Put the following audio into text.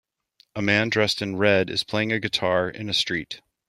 A man dressed in red is playing a guitar in a street.